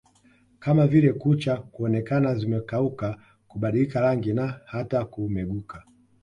kama vile kucha kuonekana zimekauka kubadilika rangi na hata kumeguka